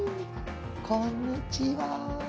こんにちは。